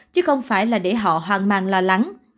chứ không phải là để họ hoang mang lo lắng